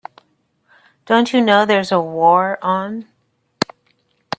Don't you know there's a war on?